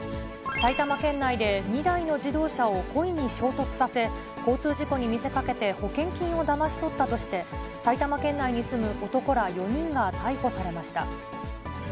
埼玉県内で２台の自動車を故意に衝突させ、交通事故に見せかけて保険金をだまし取ったとして、埼玉県内に住む男ら４人が逮捕されました。